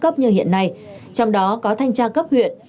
cấp như hiện nay trong đó có thanh tra cấp huyện